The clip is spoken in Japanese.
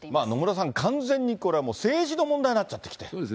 野村さん、完全にこれはもう、政治の問題になっちゃってきてる。